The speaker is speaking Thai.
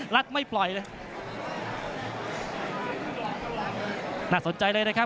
นักมวยจอมคำหวังเว่เลยนะครับ